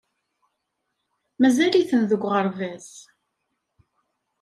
Mazal-iten deg uɣerbaz.